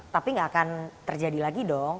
tapi nggak akan terjadi lagi dong